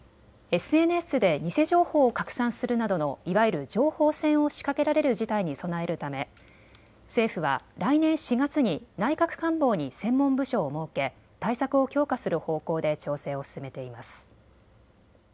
ＳＮＳで偽情報を拡散するなどのいわゆる情報戦を仕掛けられる事態に備えるため政府は来年４月に内閣官房に専門部署を設け対策を強化する方向で調整を進めています。